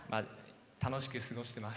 楽しく過ごしています。